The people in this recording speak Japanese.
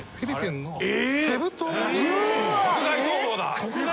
国外逃亡！？